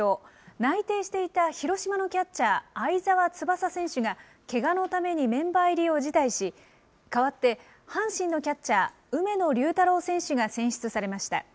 内定していた広島のキャッチャー、會澤翼選手が、けがのためにメンバー入りを辞退し、代わって阪神のキャッチャー、梅野隆太郎選手が選出されました。